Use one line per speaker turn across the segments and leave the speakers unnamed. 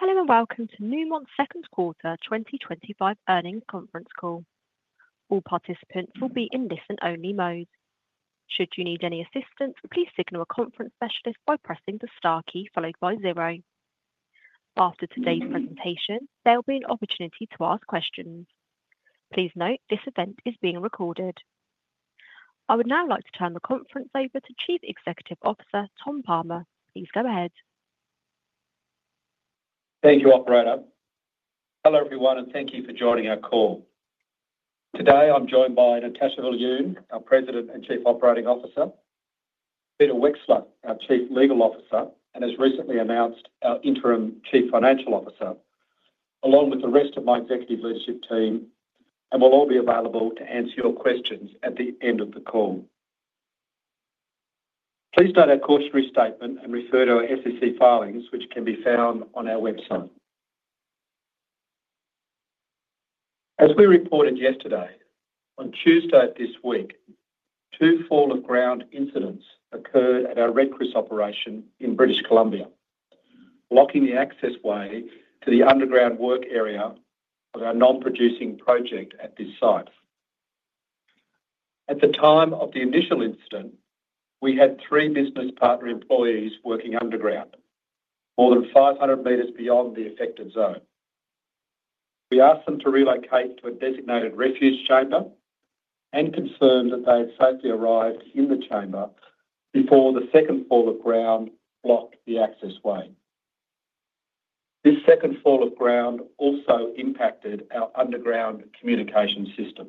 Hello and welcome to Newmont's Second Quarter 2025 Earnings Conference Call. All participants will be in listen-only mode. Should you need any assistance, please signal a conference specialist by pressing the star key followed by zero. After today's presentation, there will be an opportunity to ask questions. Please note this event is being recorded. I would now like to turn the conference over to Chief Executive Officer Tom Palmer. Please go ahead.
Thank you, Operator. Hello everyone, and thank you for joining our call. Today I'm joined by Natascha Viljoen, our President and Chief Operating Officer, Peter Wexler, our Chief Legal Officer, and as recently announced, our Interim Chief Financial Officer, along with the rest of my executive leadership team, and we'll all be available to answer your questions at the end of the call. Please note our cautionary statement and refer to our SEC filings, which can be found on our website. As we reported yesterday, on Tuesday of this week, two fall-of-ground incidents occurred at our Red Chris operation in British Columbia, blocking the access way to the underground work area of our non-producing project at this site. At the time of the initial incident, we had three business partner employees working underground, more than 500 meters beyond the affected zone. We asked them to relocate to a designated Refuge chamber and confirmed that they had safely arrived in the chamber before the second fall-of-ground blocked the access way. This second fall-of-ground also impacted our underground communication system.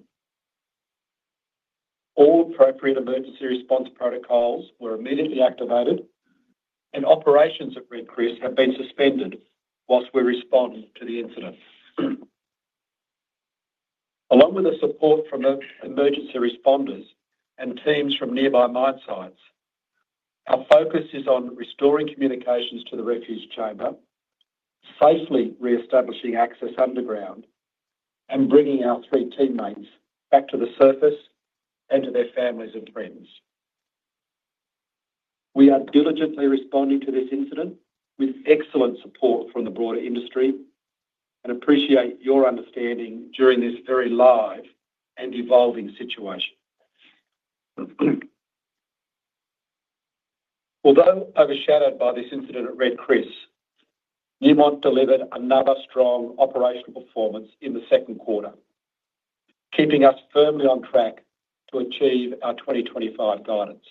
All appropriate emergency response protocols were immediately activated, and operations at Red Chris have been suspended whilst we responded to the incident, along with the support from emergency responders and teams from nearby mine sites. Our focus is on restoring communications to the Refuge chamber, safely re-establishing access underground, and bringing our three teammates back to the surface and to their families and friends. We are diligently responding to this incident with excellent support from the broader industry and appreciate your understanding during this very live and evolving situation. Although overshadowed by this incident at Red Chris, Newmont delivered another strong operational performance in the second quarter, keeping us firmly on track to achieve our 2025 guidance.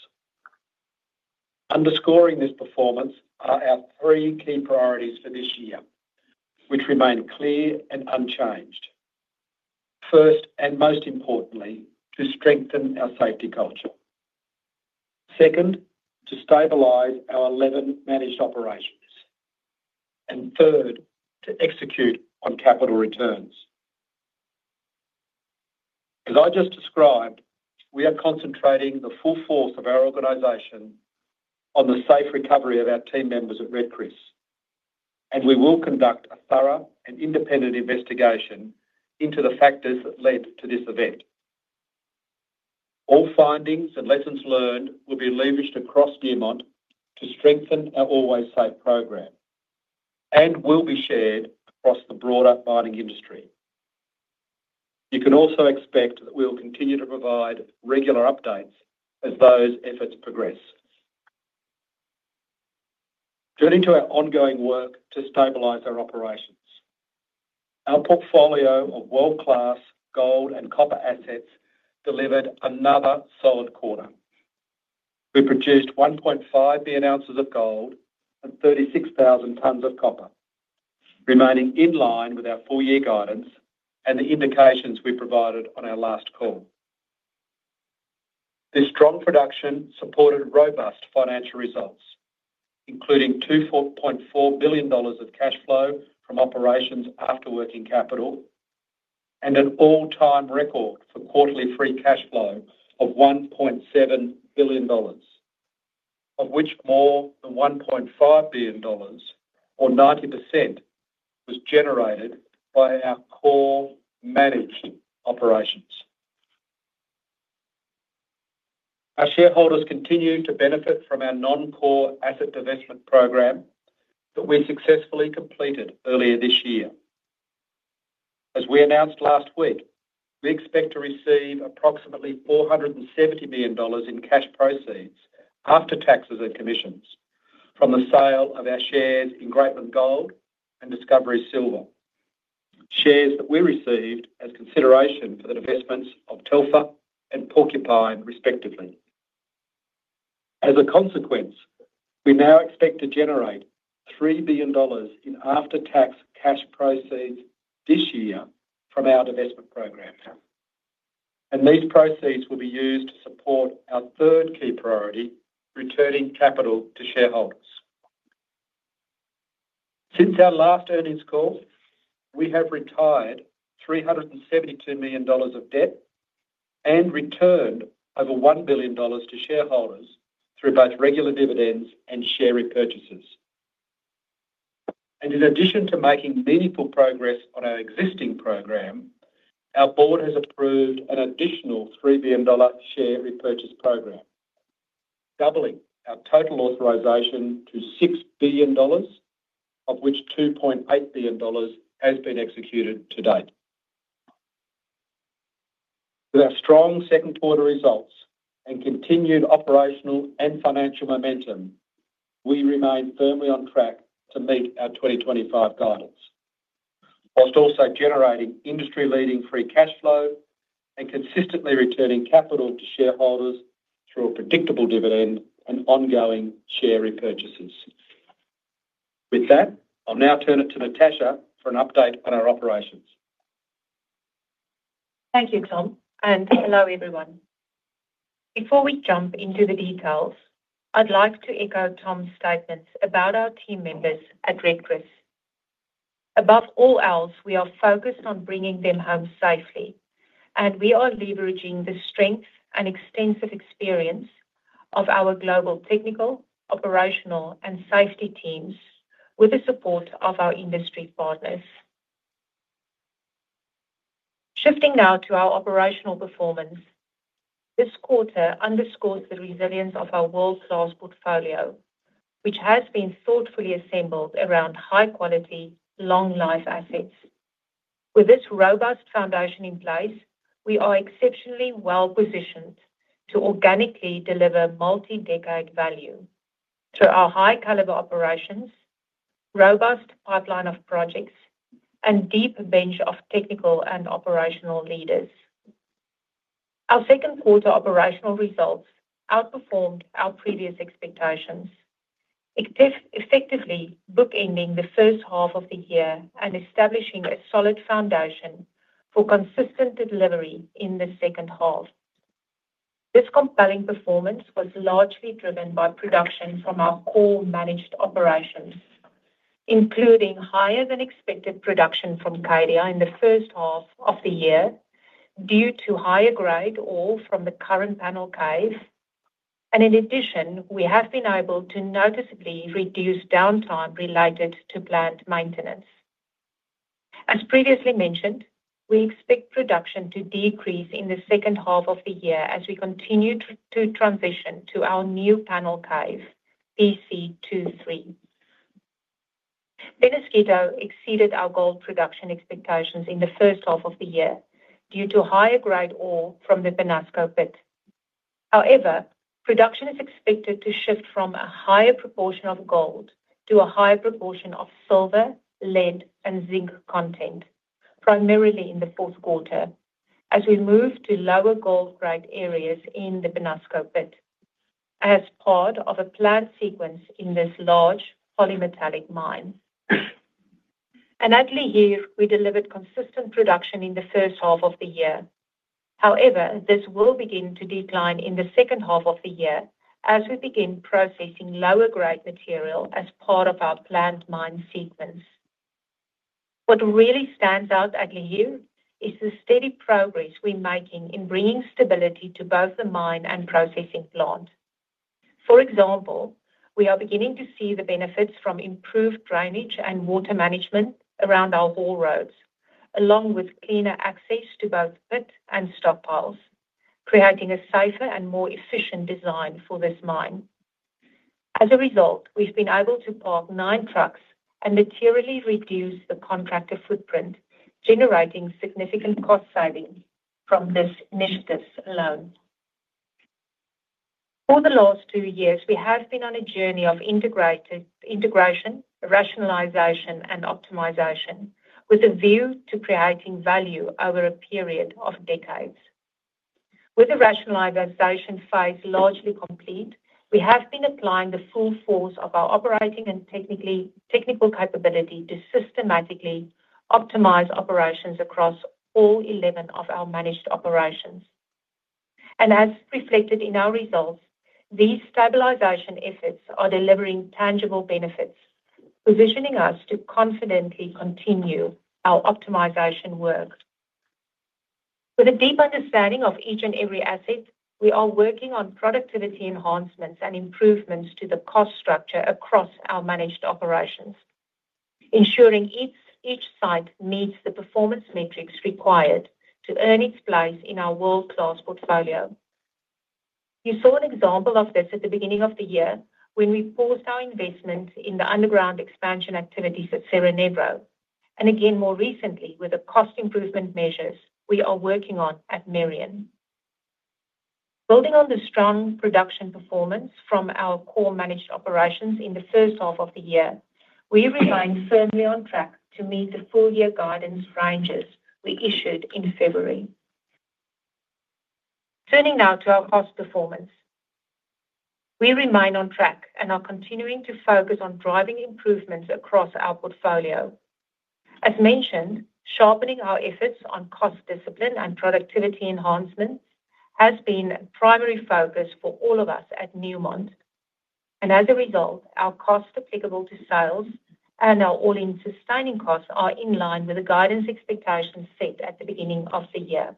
Underscoring this performance are our three key priorities for this year, which remain clear and unchanged. First and most importantly, to strengthen our safety culture. Second, to stabilize our 11 managed operations. Third, to execute on capital returns. As I just described, we are concentrating the full force of our organization on the safe recovery of our team members at Red Chris, and we will conduct a thorough and independent investigation into the factors that led to this event. All findings and lessons learned will be leveraged across Newmont to strengthen our Always Safe program and will be shared across the broader mining industry. You can also expect that we will continue to provide regular updates as those efforts progress. Turning to our ongoing work to stabilize our operations, our portfolio of world-class gold and copper assets delivered another solid quarter. We produced 1.5 million ounces of gold and 36,000 tons of copper, remaining in line with our four-year guidance and the indications we provided on our last call. This strong production supported robust financial results, including $2.4 billion of cash flow from operations after working capital, and an all-time record for quarterly free cash flow of $1.7 billion, of which more than $1.5 billion, or 90%. Was generated by our core managed operations. Our shareholders continue to benefit from our non-core asset divestment program that we successfully completed earlier this year. As we announced last week, we expect to receive approximately $470 million in cash proceeds after taxes and commissions from the sale of our shares in Greatland Gold and Discovery Silver, shares that we received as consideration for the divestments of Telfer and Porcupine, respectively. As a consequence, we now expect to generate $3 billion in after-tax cash proceeds this year from our divestment program. These proceeds will be used to support our third key priority, returning capital to shareholders. Since our last earnings call, we have retired $372 million of debt and returned over $1 billion to shareholders through both regular dividends and share repurchases. In addition to making meaningful progress on our existing program, our board has approved an additional $3 billion share repurchase program, doubling our total authorization to $6 billion, of which $2.8 billion has been executed to date. With our strong second quarter results and continued operational and financial momentum, we remain firmly on track to meet our 2025 guidance whilst also generating industry-leading free cash flow and consistently returning capital to shareholders through a predictable dividend and ongoing share repurchases. With that, I'll now turn it to Natascha for an update on our operations.
Thank you, Tom, and hello everyone. Before we jump into the details, I'd like to echo Tom's statements about our team members at Red Chris. Above all else, we are focused on bringing them home safely, and we are leveraging the strength and extensive experience of our global technical, operational, and safety teams with the support of our industry partners. Shifting now to our operational performance. This quarter underscores the resilience of our world-class portfolio, which has been thoughtfully assembled around high-quality, long-life assets. With this robust foundation in place, we are exceptionally well-positioned to organically deliver multi-decade value through our high-caliber operations, robust pipeline of projects, and deep bench of technical and operational leaders. Our second quarter operational results outperformed our previous expectations, effectively bookending the first half of the year and establishing a solid foundation for consistent delivery in the second half. This compelling performance was largely driven by production from our core managed operations, including higher than expected production from Cadia in the first half of the year due to higher grade ore from the current Panel cave. In addition, we have been able to noticeably reduce downtime related to plant maintenance. As previously mentioned, we expect production to decrease in the second half of the year as we continue to transition to our new Panel cave, PC2-3. Penasquito exceeded our gold production expectations in the first half of the year due to higher grade ore from the Penasco pit. However, production is expected to shift from a higher proportion of gold to a higher proportion of silver, lead, and zinc content, primarily in the fourth quarter, as we move to lower gold grade areas in the Penasco pit as part of a planned sequence in this large polymetallic mine. At Lihir, we delivered consistent production in the first half of the year. However, this will begin to decline in the second half of the year as we begin processing lower grade material as part of our planned mine sequence. What really stands out at Lihir is the steady progress we're making in bringing stability to both the mine and processing plant. For example, we are beginning to see the benefits from improved drainage and water management around our haul roads, along with cleaner access to both pit and stockpiles, creating a safer and more efficient design for this mine. As a result, we've been able to park nine trucks and materially reduce the contractor footprint, generating significant cost savings from this initiative alone. For the last two years, we have been on a journey of integration, rationalization, and optimization with a view to creating value over a period of decades. With the rationalization phase largely complete, we have been applying the full force of our operating and technical capability to systematically optimize operations across all 11 of our managed operations. As reflected in our results, these stabilization efforts are delivering tangible benefits, positioning us to confidently continue our optimization work. With a deep understanding of each and every asset, we are working on productivity enhancements and improvements to the cost structure across our managed operations. Ensuring each site meets the performance metrics required to earn its place in our world-class portfolio. You saw an example of this at the beginning of the year when we paused our investment in the underground expansion activities at Serra Negra, and again more recently with the cost improvement measures we are working on at Merian. Building on the strong production performance from our core managed operations in the first half of the year, we remain firmly on track to meet the full-year guidance ranges we issued in February. Turning now to our cost performance. We remain on track and are continuing to focus on driving improvements across our portfolio. As mentioned, sharpening our efforts on cost discipline and productivity enhancement has been a primary focus for all of us at Newmont. As a result, our costs applicable to sales and our all-in sustaining costs are in line with the guidance expectations set at the beginning of the year.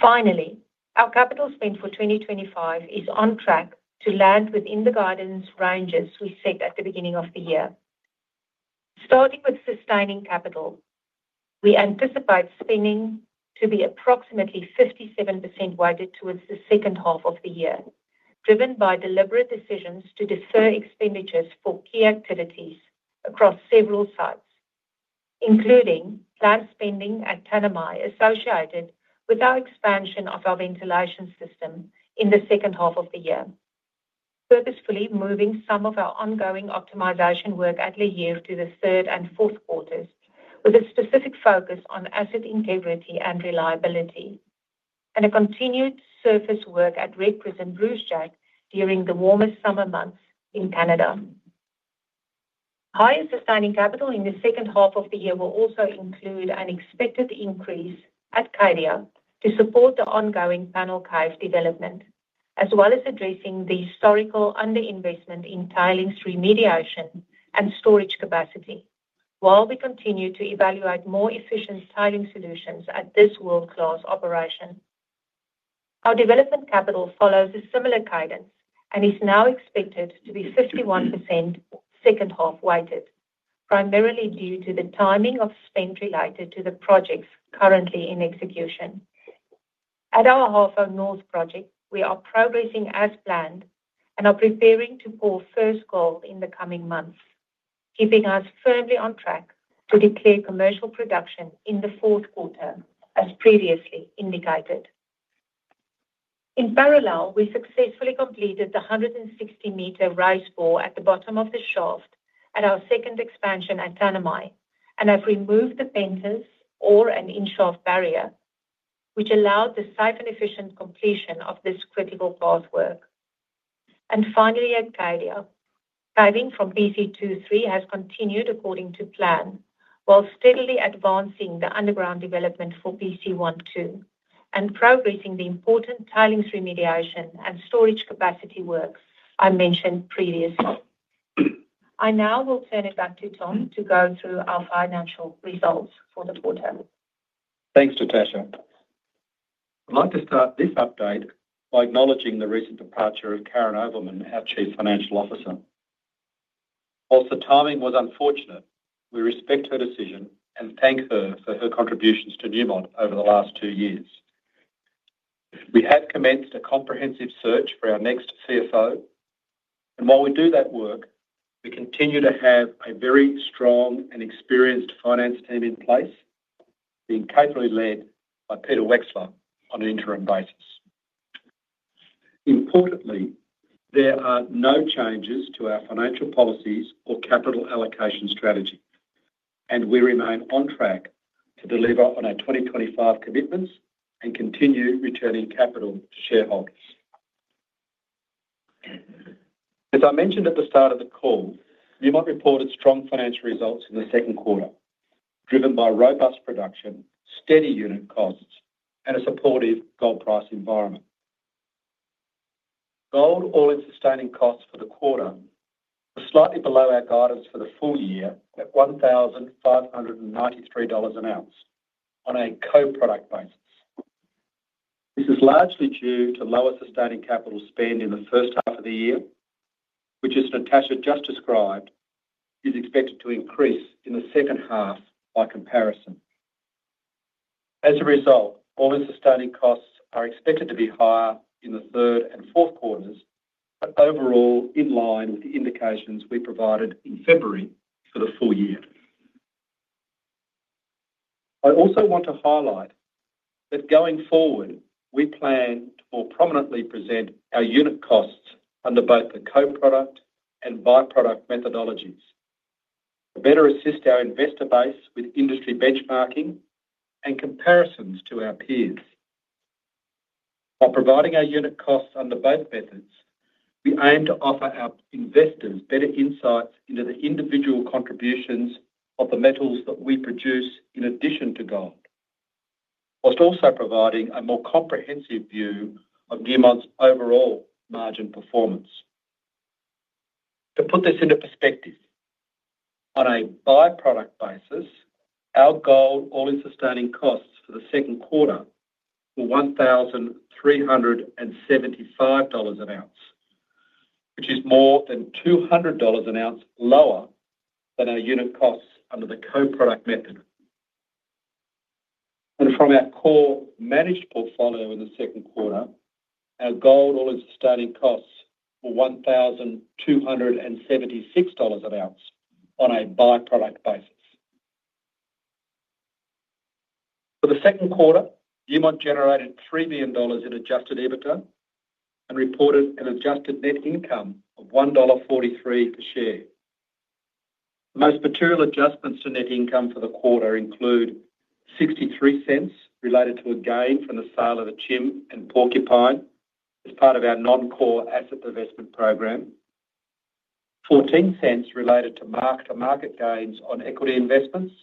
Finally, our capital spend for 2025 is on track to land within the guidance ranges we set at the beginning of the year. Starting with sustaining capital, we anticipate spending to be approximately 57% weighted towards the second half of the year, driven by deliberate decisions to defer expenditures for key activities across several sites. Including planned spending at Tanami associated with our expansion of our ventilation system in the second half of the year. Purposefully moving some of our ongoing optimization work at Lihir to the third and fourth quarters, with a specific focus on asset integrity and reliability, and continued surface work at Red Chris and Brucejack during the warmest summer months in Canada. Higher sustaining capital in the second half of the year will also include an expected increase at Cadia to support the ongoing Panel cave development, as well as addressing the historical underinvestment in tailings remediation and storage capacity, while we continue to evaluate more efficient tailings solutions at this world-class operation. Our development capital follows a similar guidance and is now expected to be 51% second half weighted, primarily due to the timing of spend related to the projects currently in execution. At our Halfway North project, we are progressing as planned and are preparing to pour first gold in the coming months, keeping us firmly on track to declare commercial production in the fourth quarter, as previously indicated. In parallel, we successfully completed the 160-meter raised bore at the bottom of the shaft at our second expansion at Tanami and have removed the fences, or an in-shaft barrier, which allowed the safe and efficient completion of this critical path work. Finally, at Cadia, mining from PC2-3 has continued according to plan, while steadily advancing the underground development for PC1-2 and progressing the important tailings remediation and storage capacity works I mentioned previously. I now will turn it back to Tom to go through our financial results for the quarter.
Thanks, Natascha. I'd like to start this update by acknowledging the recent departure of Karyn Ovelmen, our Chief Financial Officer. Whilst the timing was unfortunate, we respect her decision and thank her for her contributions to Newmont over the last two years. We have commenced a comprehensive search for our next CFO. While we do that work, we continue to have a very strong and experienced finance team in place, being capably led by Peter Wexler on an interim basis. Importantly, there are no changes to our financial policies or capital allocation strategy, and we remain on track to deliver on our 2025 commitments and continue returning capital to shareholders. As I mentioned at the start of the call, Newmont reported strong financial results in the second quarter, driven by robust production, steady unit costs, and a supportive gold price environment. Gold all-in sustaining costs for the quarter were slightly below our guidance for the full year at $1,593 an ounce on a co-product basis. This is largely due to lower sustaining capital spend in the first half of the year, which, as Natascha just described, is expected to increase in the second half by comparison. As a result, all-in sustaining costs are expected to be higher in the third and fourth quarters, but overall in line with the indications we provided in February for the full year. I also want to highlight that going forward, we plan to more prominently present our unit costs under both the co-product and byproduct methodologies to better assist our investor base with industry benchmarking and comparisons to our peers. While providing our unit costs under both methods, we aim to offer our investors better insights into the individual contributions of the metals that we produce in addition to gold, whilst also providing a more comprehensive view of Newmont's overall margin performance. To put this into perspective, on a byproduct basis, our gold all-in sustaining costs for the second quarter were $1,375 an ounce, which is more than $200 an ounce lower than our unit costs under the co-product method. From our core managed portfolio in the second quarter, our gold all-in sustaining costs were $1,276 an ounce on a byproduct basis. For the second quarter, Newmont generated $3 million in adjusted EBITDA and reported an adjusted net income of $1.43 per share. Most material adjustments to net income for the quarter include $0.63 related to a gain from the sale of Akyem and Porcupine as part of our non-core asset divestment program, $0.14 related to mark-to-market gains on equity investments,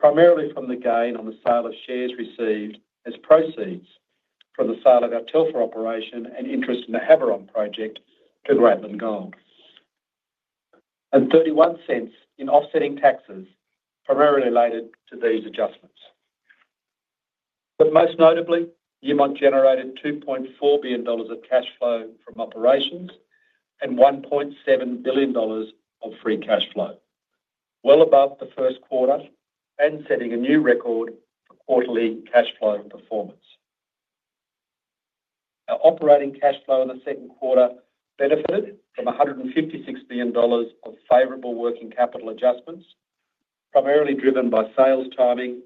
primarily from the gain on the sale of shares received as proceeds from the sale of our Telfer operation and interest in the Havieron project to Greatland Gold, and $0.31 in offsetting taxes, primarily related to these adjustments. Most notably, Newmont generated $2.4 billion of cash flow from operations and $1.7 billion of free cash flow, well above the first quarter and setting a new record for quarterly cash flow performance. Our operating cash flow in the second quarter benefited from $156 million of favorable working capital adjustments, primarily driven by sales timing,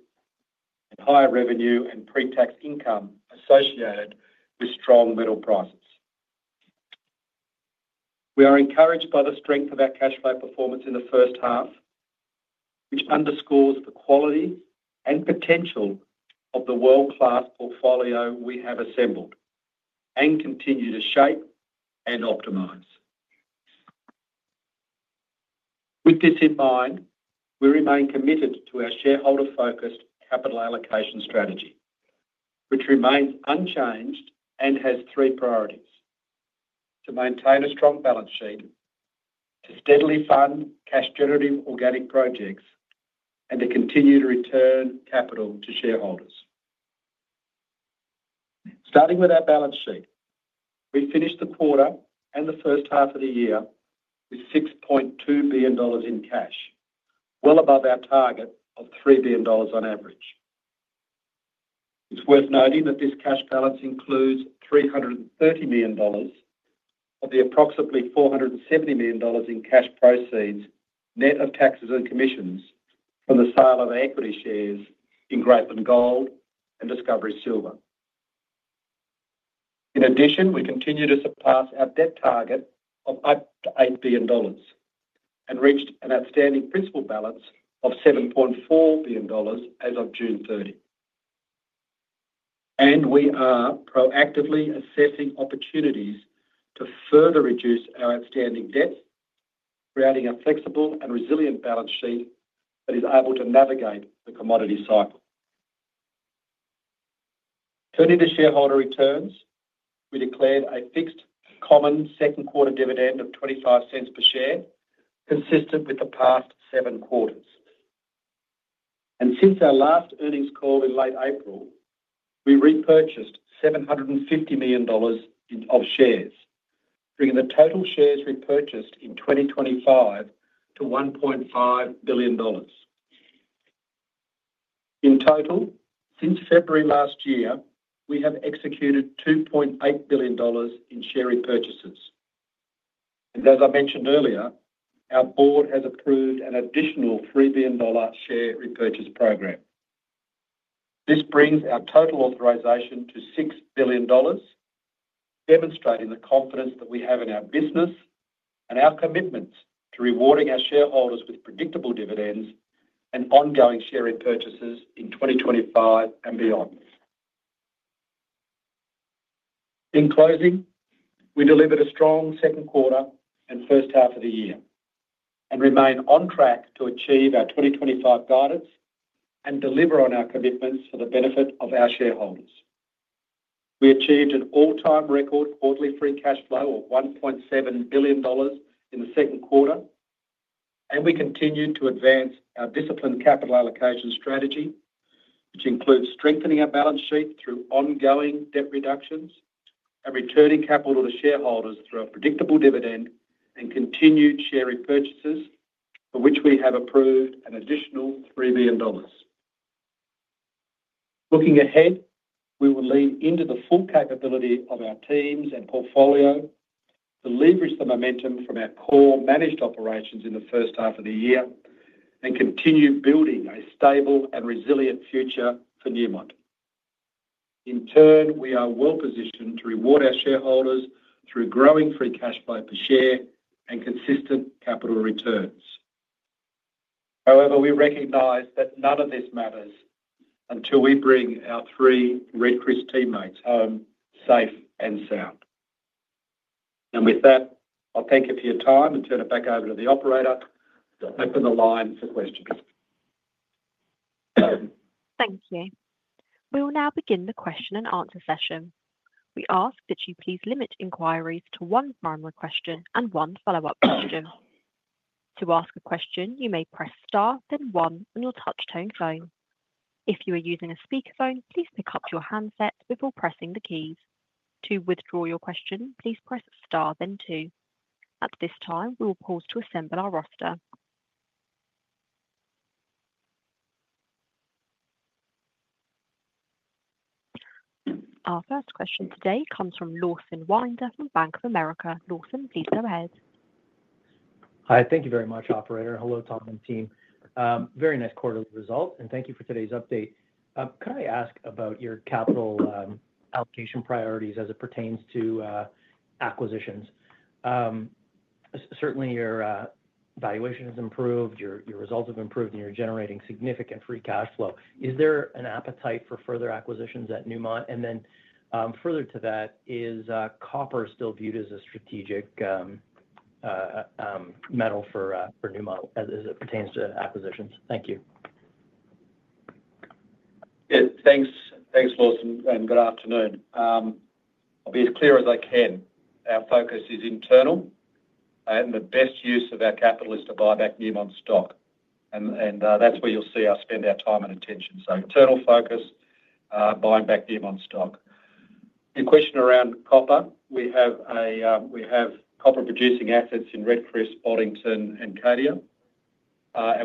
and higher revenue and pre-tax income associated with strong metal prices. We are encouraged by the strength of our cash flow performance in the first half, which underscores the quality and potential of the world-class portfolio we have assembled and continue to shape and optimize. With this in mind, we remain committed to our shareholder-focused capital allocation strategy, which remains unchanged and has three priorities: to maintain a strong balance sheet, to steadily fund cash-generative organic projects, and to continue to return capital to shareholders. Starting with our balance sheet, we finished the quarter and the first half of the year with $6.2 billion in cash, well above our target of $3 billion on average. It is worth noting that this cash balance includes $330 million of the approximately $470 million in cash proceeds net of taxes and commissions from the sale of equity shares in Greatland Gold and Discovery Silver. In addition, we continue to surpass our debt target of up to $8 billion and reached an outstanding principal balance of $7.4 billion as of June 30. We are proactively assessing opportunities to further reduce our outstanding debt, creating a flexible and resilient balance sheet that is able to navigate the commodity cycle. Turning to shareholder returns, we declared a fixed common second quarter dividend of $0.25 per share, consistent with the past seven quarters. Since our last earnings call in late April, we repurchased $750 million of shares, bringing the total shares repurchased in 2025 to $1.5 billion. In total, since February last year, we have executed $2.8 billion in share repurchases. As I mentioned earlier, our board has approved an additional $3 billion share repurchase program. This brings our total authorization to $6 billion, demonstrating the confidence that we have in our business and our commitments to rewarding our shareholders with predictable dividends and ongoing share repurchases in 2025 and beyond. In closing, we delivered a strong second quarter and first half of the year and remain on track to achieve our 2025 guidance and deliver on our commitments for the benefit of our shareholders. We achieved an all-time record quarterly free cash flow of $1.7 billion in the second quarter, and we continued to advance our disciplined capital allocation strategy, which includes strengthening our balance sheet through ongoing debt reductions and returning capital to shareholders through a predictable dividend and continued share repurchases, for which we have approved an additional $3 billion. Looking ahead, we will lean into the full capability of our teams and portfolio to leverage the momentum from our core managed operations in the first half of the year and continue building a stable and resilient future for Newmont. In turn, we are well positioned to reward our shareholders through growing free cash flow per share and consistent capital returns. However, we recognize that none of this matters until we bring our three Red Chris teammates home safe and sound. I thank you for your time and turn it back over to the operator to open the line for questions.
Thank you. We will now begin the question and answer session. We ask that you please limit inquiries to one primary question and one follow-up question. To ask a question, you may press star, then one, on your touch tone phone. If you are using a speakerphone, please pick up your handset before pressing the keys. To withdraw your question, please press star, then two. At this time, we will pause to assemble our roster. Our first question today comes from Lawson Winder from Bank of America. Lawson, please go ahead.
Hi, thank you very much, Operator. Hello, Tom and team. Very nice quarterly result, and thank you for today's update. Could I ask about your capital allocation priorities as it pertains to acquisitions? Certainly, your valuation has improved, your results have improved, and you're generating significant free cash flow. Is there an appetite for further acquisitions at Newmont? Further to that, is copper still viewed as a strategic metal for Newmont as it pertains to acquisitions? Thank you.
Thanks, Lawson, and good afternoon. I'll be as clear as I can. Our focus is internal. The best use of our capital is to buy back Newmont stock. That's where you'll see our spend, our time, and attention. Internal focus. Buying back Newmont stock. Your question around copper, we have copper-producing assets in Red Chris, Boddington, and Cadia.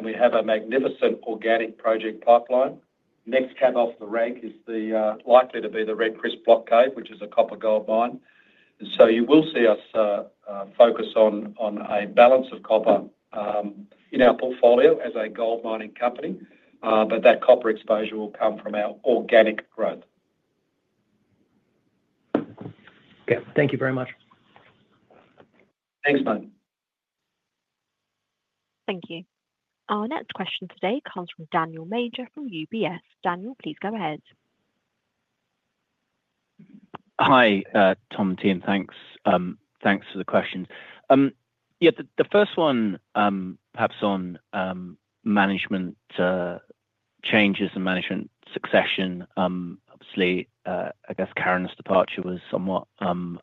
We have a magnificent organic project pipeline. Next cab off the rank is likely to be the Red Chris Block Cave, which is a copper-gold mine. You will see us focus on a balance of copper in our portfolio as a gold mining company, but that copper exposure will come from our organic growth.
Okay, thank you very much.
Thanks, mate.
Thank you. Our next question today comes from Daniel Major from UBS. Daniel, please go ahead.
Hi, Tom and Tim. Thanks for the question. Yeah, the first one, perhaps on management changes and management succession. Obviously, I guess Karyn's departure was somewhat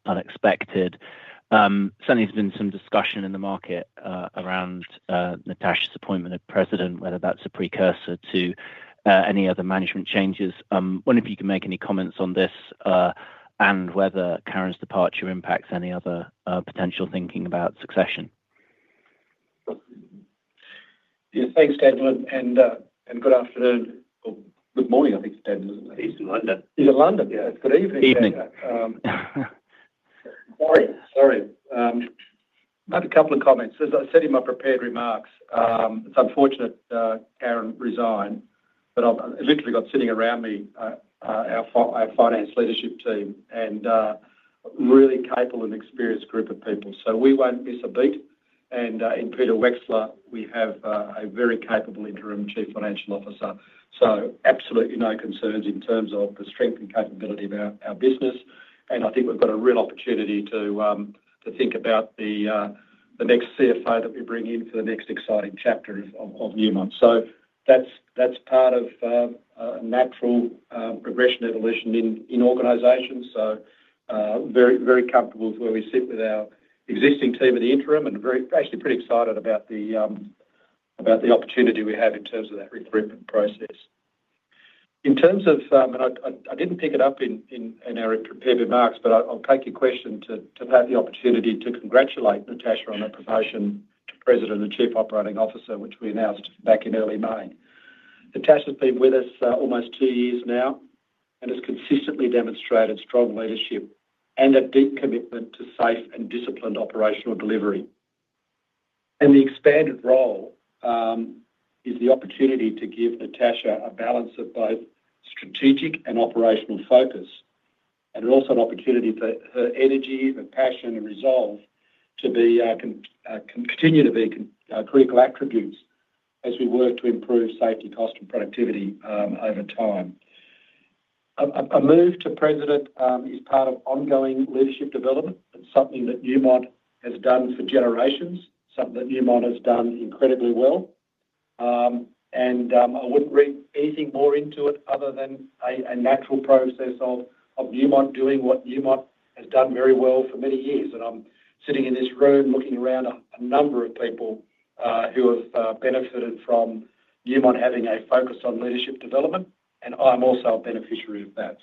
unexpected. Certainly, there's been some discussion in the market around Natascha's appointment of President, whether that's a precursor to any other management changes. Wonder if you can make any comments on this. And whether Karyn's departure impacts any other potential thinking about succession.
Yeah, thanks, Daniel. Good afternoon. Or good morning, I think.
He's in London.
He's in London. Yeah, it's good evening.
Good evening.
Sorry. Sorry. I've had a couple of comments. As I said in my prepared remarks, it's unfortunate Karyn resigned, but I literally got sitting around me our finance leadership team, and a really capable and experienced group of people. We won't miss a beat. In Peter Wexler, we have a very capable Interim Chief Financial Officer. Absolutely no concerns in terms of the strength and capability of our business. I think we've got a real opportunity to think about the next CFO that we bring in for the next exciting chapter of Newmont. That's part of a natural progression evolution in organizations. Very comfortable with where we sit with our existing team at the interim and actually pretty excited about the opportunity we have in terms of that recruitment process. In terms of, and I didn't pick it up in our prepared remarks, but I'll take your question to have the opportunity to congratulate Natascha on her promotion to President and Chief Operating Officer, which we announced back in early May. Natascha's been with us almost two years now and has consistently demonstrated strong leadership and a deep commitment to safe and disciplined operational delivery. The expanded role is the opportunity to give Natascha a balance of both strategic and operational focus. It's also an opportunity for her energy, her passion, and resolve to continue to be critical attributes as we work to improve safety, cost, and productivity over time. A move to President is part of ongoing leadership development. It's something that Newmont has done for generations, something that Newmont has done incredibly well. I wouldn't read anything more into it other than a natural process of Newmont doing what Newmont has done very well for many years. I'm sitting in this room looking around a number of people who have benefited from Newmont having a focus on leadership development, and I'm also a beneficiary of that.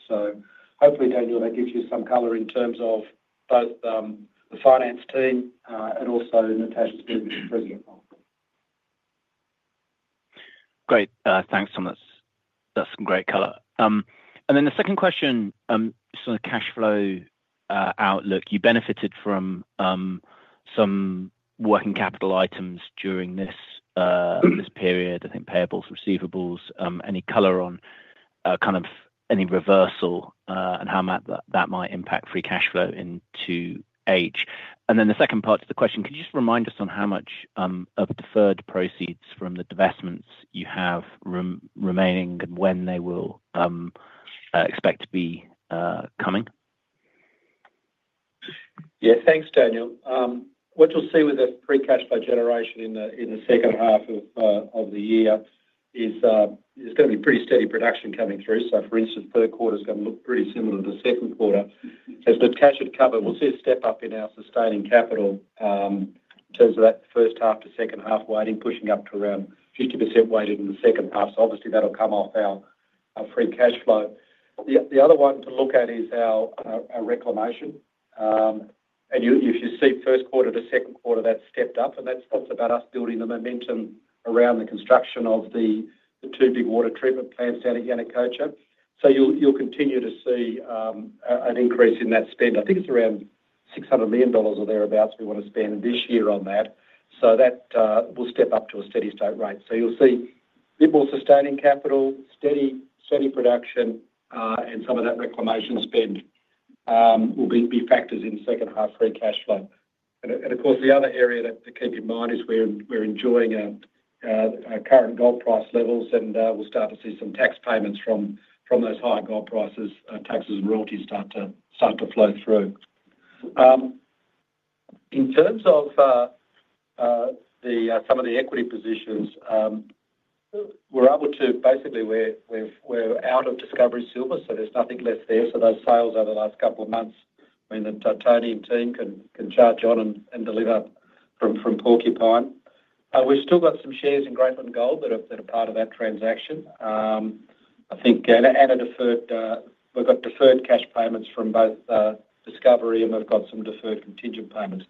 Hopefully, Daniel, that gives you some color in terms of both the finance team and also Natascha's being President.
Great. Thanks, Tom. That's some great color. The second question, sort of cash flow outlook. You benefited from some working capital items during this period, I think payables, receivables. Any color on kind of any reversal and how that might impact free cash flow in 2H? The second part of the question, could you just remind us on how much of deferred proceeds from the divestments you have remaining and when they will expect to be coming?
Yeah, thanks, Daniel. What you'll see with the free cash flow generation in the second half of the year is going to be pretty steady production coming through. For instance, third quarter is going to look pretty similar to the second quarter. As we've cashed it, we'll see a step up in our sustaining capital. In terms of that first half to second half weighting, pushing up to around 50% weighted in the second half. Obviously, that'll come off our free cash flow. The other one to look at is our reclamation. If you see first quarter to second quarter, that's stepped up. That's about us building the momentum around the construction of the two big water treatment plants down at Yanacocha. You'll continue to see an increase in that spend. I think it's around $600 million or thereabouts we want to spend this year on that. That will step up to a steady state rate. You'll see a bit more sustaining capital, steady production, and some of that reclamation spend will be factors in second half free cash flow. Of course, the other area to keep in mind is we're enjoying our current gold price levels, and we'll start to see some tax payments from those high gold prices. Taxes and royalties start to flow through. In terms of some of the equity positions, we're able to basically, we're out of Discovery Silver, so there's nothing left there. Those sales over the last couple of months, I mean, the Titanium team can charge on and deliver from Porcupine. We've still got some shares in Greatland Gold that are part of that transaction. I think we've got deferred cash payments from both Discovery, and we've got some deferred contingent payments.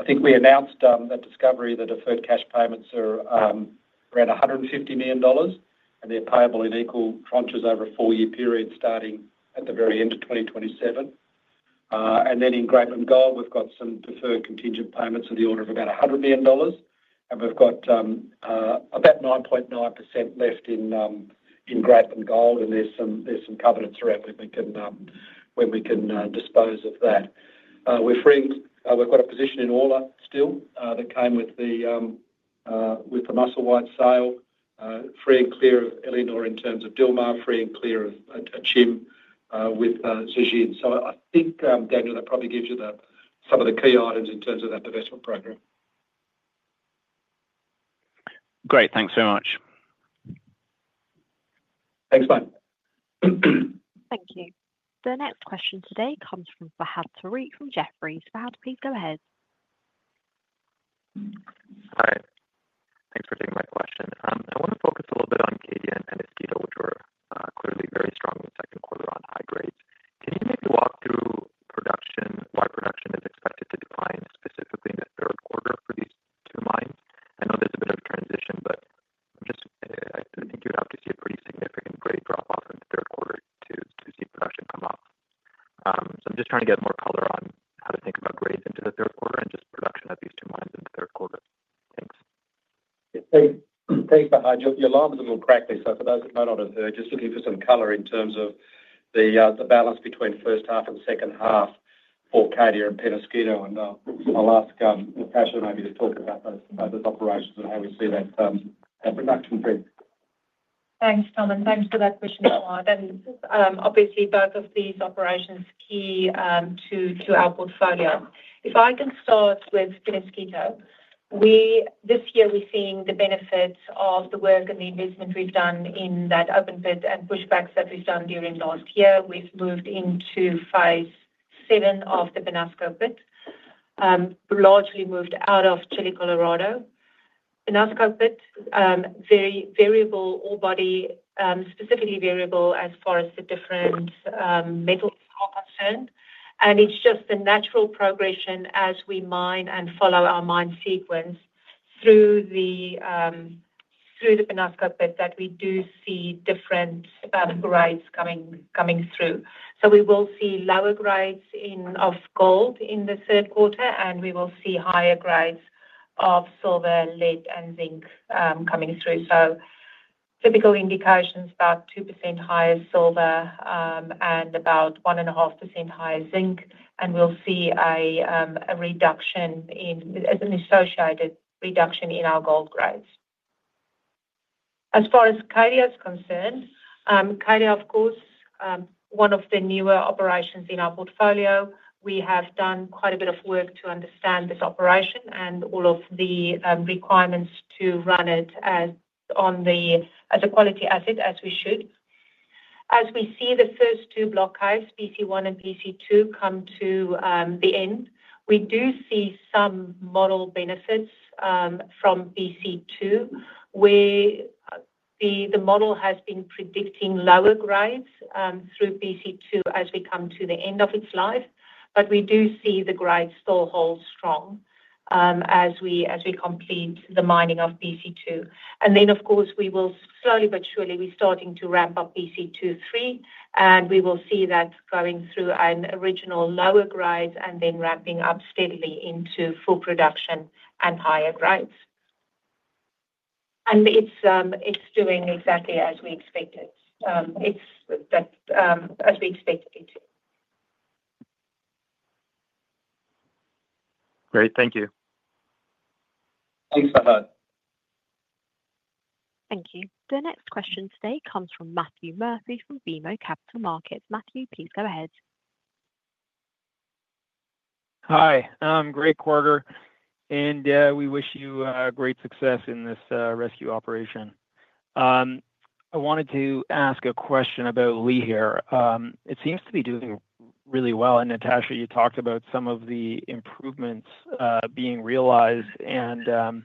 I think we announced that Discovery, the deferred cash payments are around $150 million, and they're payable in equal tranches over a four-year period starting at the very end of 2027. Then in Greatland Gold, we've got some deferred contingent payments in the order of about $100 million. We've got about 9.9% left in Greatland Gold, and there's some covenants around where we can dispose of that. We've got a position in Orla still that came with the Musselwhite sale, free and clear of Éléonore in terms of Dhilmar, free and clear of Akyem with Zijin. I think, Daniel, that probably gives you some of the key items in terms of that divestment program.
Great. Thanks very much.
Thanks, mate.
Thank you. The next question today comes from Fahad Tariq from Jefferies. Fahad, please go ahead.
Hi. Thanks for taking my question. I want to focus a little bit on Cadia and Penasquito, which were clearly very strong in the second quarter on high grades. Can you maybe walk through why production is expected to decline specifically in the third quarter for these two mines? I know there's a bit of a transition, but I think you would have to see a pretty significant grade drop-off in the third quarter to see production come up. So I'm just trying to get more color on how to think about grades into the third quarter and just production at these two mines in the third quarter. Thanks.
Hey, Fahad, your line was a little crackly, so for those that might not have heard, just looking for some color in terms of the balance between first half and second half for Cadia and Penasquito. I'll ask Natascha maybe to talk about those operations and how we see that production thing.
Thanks, Tom. And thanks for that question, Fahad. Obviously, both of these operations are key to our portfolio. If I can start with Penasquito, this year we're seeing the benefits of the work and the investment we've done in that open pit and pushbacks that we've done during last year. We've moved into phase VII of the Penasco pit. Largely moved out of Chile Colorado. Penasco pit, very variable orebody, specifically variable as far as the different metals are concerned. It's just the natural progression as we mine and follow our mine sequence through the Penasco pit that we do see different grades coming through. We will see lower grades of gold in the third quarter, and we will see higher grades of silver, lead, and zinc coming through. Typical indications, about 2% higher silver and about 1.5% higher zinc. We'll see an associated reduction in our gold grades. As far as Cadia is concerned, Cadia, of course, one of the newer operations in our portfolio, we have done quite a bit of work to understand this operation and all of the requirements to run it as a quality asset as we should. As we see the first two block caves, BC1 and BC2, come to the end, we do see some model benefits from BC2. The model has been predicting lower grades through BC2 as we come to the end of its life, but we do see the grades still hold strong as we complete the mining of BC2. Then, of course, slowly but surely, we're starting to ramp up PC2-3, and we will see that going through an original lower grade and then ramping up steadily into full production and higher grades. It's doing exactly as we expected. As we expected it to.
Great. Thank you.
Thanks, Fahad.
Thank you. The next question today comes from Matthew Murphy from BMO Capital Markets. Matthew, please go ahead.
Hi. Great Quarter, and we wish you great success in this rescue operation. I wanted to ask a question about Lihir. It seems to be doing really well. And Natascha, you talked about some of the improvements being realized, and.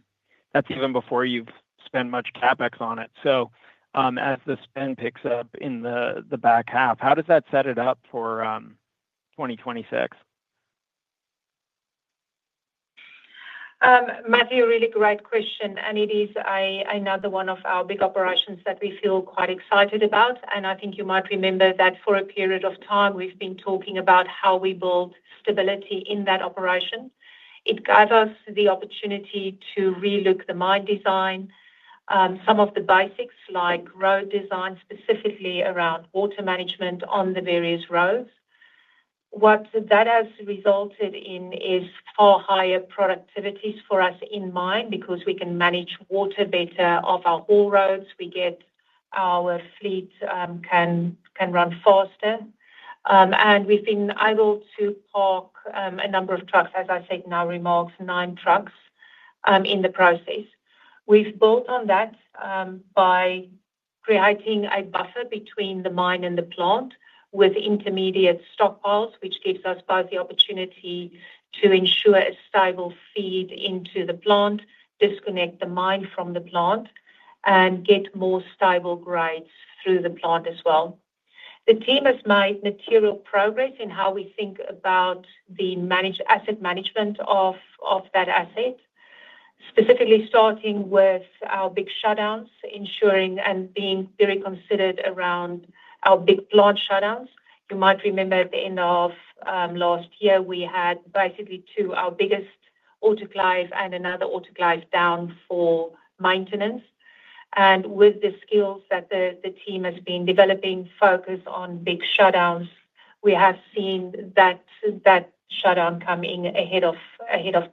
That's even before you've spent much CapEx on it. As the spend picks up in the back half, how does that set it up for 2026?
Matthew, really great question. It is another one of our big operations that we feel quite excited about. I think you might remember that for a period of time, we've been talking about how we built stability in that operation. It gave us the opportunity to relook the mine design. Some of the basics, like road design, specifically around water management on the various roads. What that has resulted in is far higher productivities for us in mine because we can manage water better off our haul roads. Our fleet can run faster. We've been able to park a number of trucks, as I said in our remarks, nine trucks in the process. We've built on that by creating a buffer between the mine and the plant with intermediate stockpiles, which gives us both the opportunity to ensure a stable feed into the plant, disconnect the mine from the plant, and get more stable grades through the plant as well. The team has made material progress in how we think about the asset management of that asset, specifically starting with our big shutdowns, ensuring and being very considerate around our big plant shutdowns. You might remember at the end of last year, we had basically two of our biggest autoclaves and another autoclave down for maintenance. With the skills that the team has been developing, focused on big shutdowns, we have seen that shutdown come in ahead of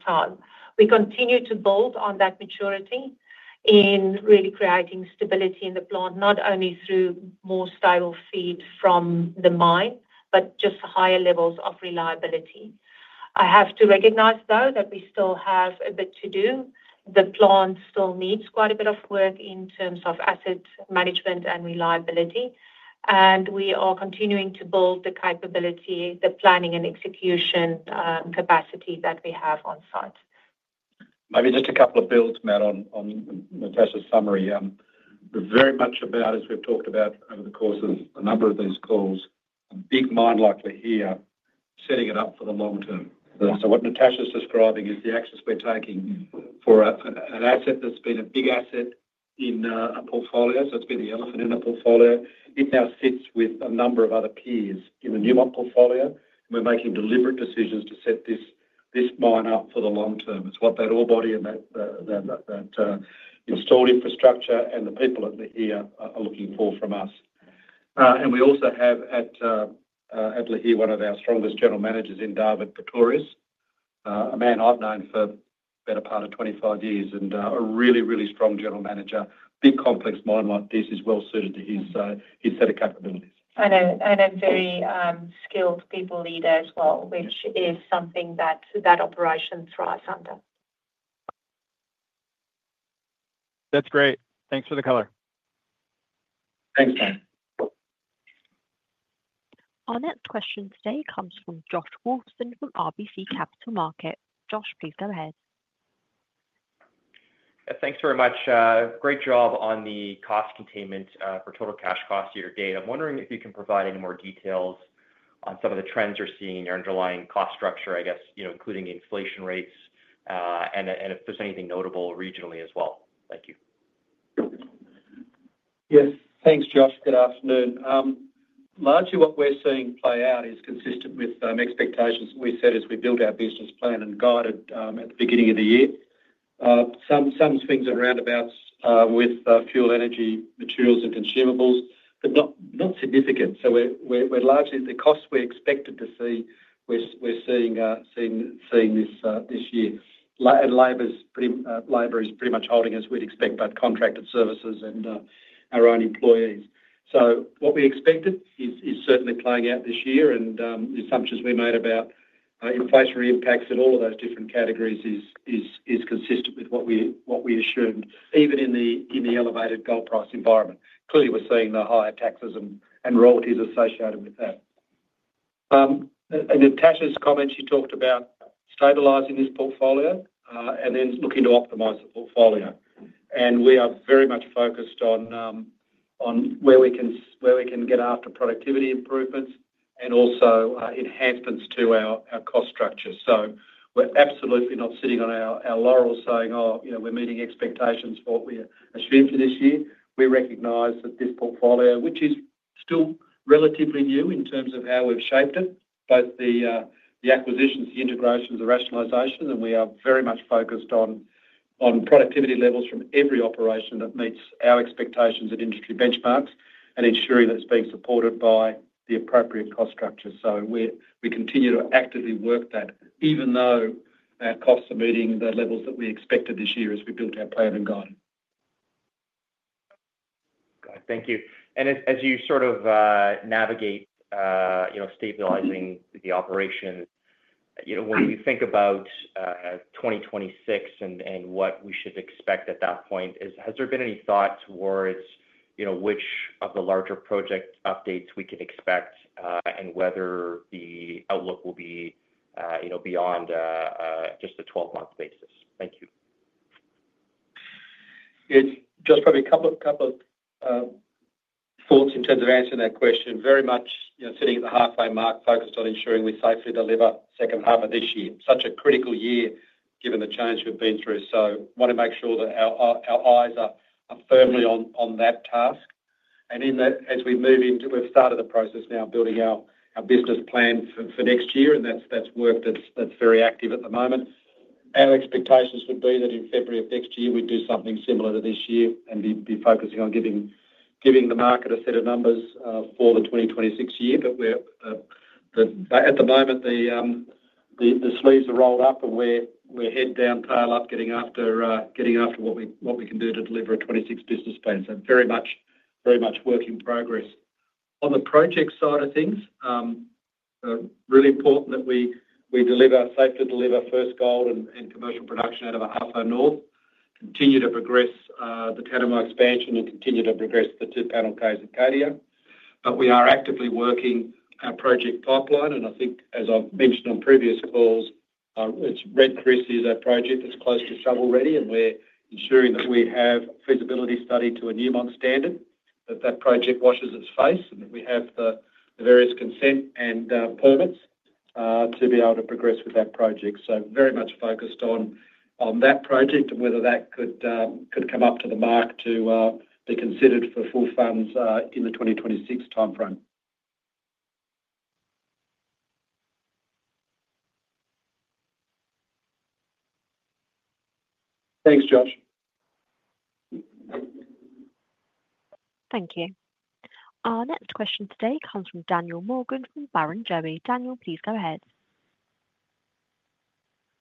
time. We continue to build on that maturity in really creating stability in the plant, not only through more stable feed from the mine, but just higher levels of reliability. I have to recognize, though, that we still have a bit to do. The plant still needs quite a bit of work in terms of asset management and reliability. We are continuing to build the capability, the planning, and execution capacity that we have on site.
Maybe just a couple of builds, Matt, on Natascha's summary. Very much about, as we've talked about over the course of a number of these calls, a big mine like we're here, setting it up for the long term. What Natascha's describing is the access we're taking for an asset that's been a big asset in a portfolio. It's been the elephant in a portfolio. It now sits with a number of other peers in the Newmont portfolio. We're making deliberate decisions to set this mine up for the long term. It's what that orebody and that installed infrastructure and the people at Lihir are looking for from us. We also have at Lihir one of our strongest general managers in Dawid Pretorius, a man I've known for the better part of 25 years and a really, really strong general manager. A big complex mine like this is well suited to his set of capabilities.
A very skilled people leader as well, which is something that that operation thrives under.
That's great. Thanks for the color.
Thanks, Matt.
Our next question today comes from Josh Wolfson from RBC Capital Markets. Josh, please go ahead.
Thanks very much. Great job on the cost containment for total cash cost year to date. I'm wondering if you can provide any more details on some of the trends you're seeing in your underlying cost structure, I guess, including inflation rates. If there's anything notable regionally as well. Thank you.
Yes. Thanks, Josh. Good afternoon. Largely, what we're seeing play out is consistent with expectations that we set as we built our business plan and guided at the beginning of the year. Some swings and roundabouts with fuel, energy, materials, and consumables, but not significant. Largely, the costs we expected to see, we're seeing this year. Labor is pretty much holding as we'd expect by contracted services and our own employees. What we expected is certainly playing out this year. The assumptions we made about inflationary impacts in all of those different categories are consistent with what we assumed, even in the elevated gold price environment. Clearly, we're seeing the higher taxes and royalties associated with that. In Natascha's comment, she talked about stabilizing this portfolio and then looking to optimize the portfolio. We are very much focused on where we can get after productivity improvements and also enhancements to our cost structure. We're absolutely not sitting on our laurels saying, "Oh, we're meeting expectations for what we're assuming for this year." We recognize that this portfolio, which is still relatively new in terms of how we've shaped it, both the acquisitions, the integrations, the rationalizations, and we are very much focused on productivity levels from every operation that meets our expectations and industry benchmarks and ensuring that it's being supported by the appropriate cost structure. We continue to actively work that even though our costs are meeting the levels that we expected this year as we built our plan and guide.
Thank you. As you sort of navigate stabilizing the operation, when you think about 2026 and what we should expect at that point, has there been any thought towards which of the larger project updates we can expect and whether the outlook will be beyond just a 12-month basis? Thank you.
It's just probably a couple of thoughts in terms of answering that question. Very much sitting at the halfway mark, focused on ensuring we safely deliver the second half of this year. Such a critical year given the change we've been through. I want to make sure that our eyes are firmly on that task. As we move into, we've started the process now building our business plan for next year. That's work that's very active at the moment. Our expectations would be that in February of next year, we'd do something similar to this year and be focusing on giving the market a set of numbers for the 2026 year. At the moment, the sleeves are rolled up and we're head down, tail up, getting after what we can do to deliver a 2026 business plan. Very much work in progress. On the project side of things, really important that we safely deliver first gold and commercial production out of the Halfway North, continue to progress the Tanami expansion, and continue to progress the two Panel caves at Cadia. We are actively working our project pipeline. I think, as I've mentioned on previous calls, Red Chris is a project that's close to shovel ready. We're ensuring that we have a feasibility study to a Newmont standard, that that project washes its face, and that we have the various consent and permits to be able to progress with that project. Very much focused on that project and whether that could come up to the mark to be considered for full funds in the 2026 timeframe. Thanks, Josh.
Thank you. Our next question today comes from Daniel Morgan from Barrenjoey. Daniel, please go ahead.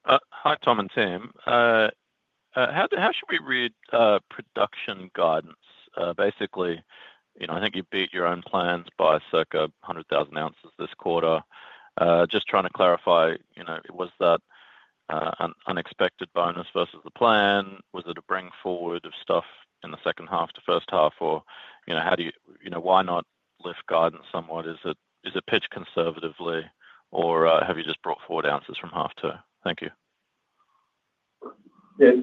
Hi, Tom and Tim. How should we read production guidance? Basically, I think you beat your own plans by circa 100,000 ounces this quarter. Just trying to clarify, was that an unexpected bonus versus the plan? Was it a bring forward of stuff in the second half to first half? Or why not lift guidance somewhat? Is it pitched conservatively, or have you just brought forward ounces from half two? Thank you.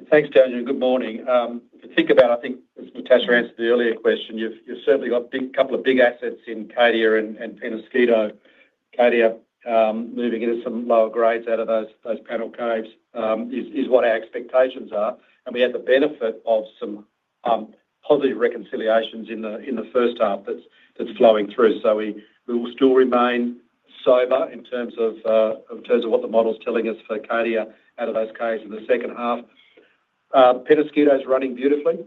Thanks, Daniel. Good morning. I think about, I think, as Natascha answered the earlier question, you've certainly got a couple of big assets in Cadia and Penasquito. Cadia moving into some lower grades out of those Panel caves is what our expectations are. We have the benefit of some positive reconciliations in the first half that's flowing through. We will still remain sober in terms of what the model's telling us for Cadia out of those caves in the second half. Penasquito's running beautifully.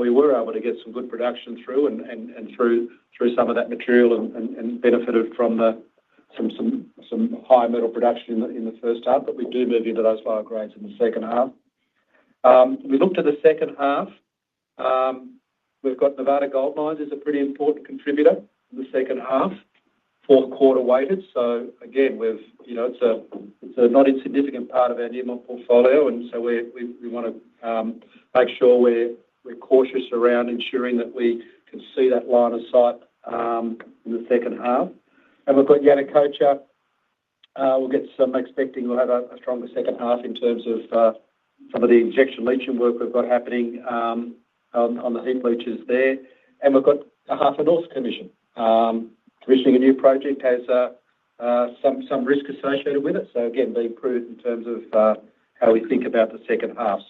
We were able to get some good production through and through some of that material and benefited from some high metal production in the first half. We do move into those lower grades in the second half. We looked at the second half. We've got Nevada Gold Mines as a pretty important contributor in the second half, fourth quarter weighted. It's a not insignificant part of our Newmont portfolio. We want to make sure we're cautious around ensuring that we can see that line of sight in the second half. We've got Yanacocha. We're expecting we'll have a stronger second half in terms of some of the injection leaching work we've got happening on the Heap leachers there. We've got Halfway North commissioning. Commissioning a new project has some risk associated with it. Again, being prudent in terms of how we think about the second half.